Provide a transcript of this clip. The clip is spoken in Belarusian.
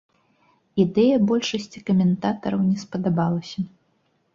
Ідэя большасці каментатараў не спадабалася.